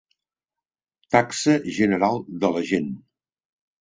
Taxa general de la gent